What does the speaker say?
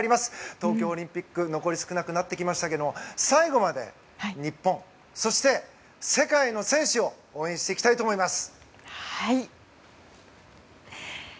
東京オリンピック残り少なくなってきましたが最後まで、日本そして、世界の選手を応援していきたいと思います。